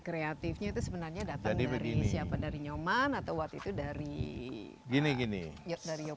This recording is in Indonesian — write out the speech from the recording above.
kreatifnya itu sebenarnya datang dari siapa dari nyoman atau waktu itu dari gini gini dari